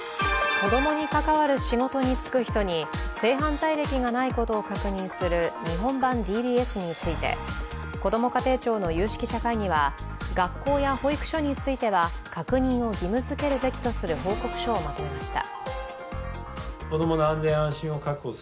子供に関わる仕事につく人に性犯罪歴がないことを確認する日本版ＤＢＳについて、こども家庭庁の有識者会議は学校や保育所については確認を義務付けるべきとする報告書をまとめました。